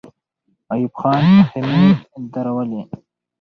ایوب خان خېمې درولې.